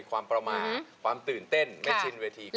ความประมาทความตื่นเต้นไม่ชินเวที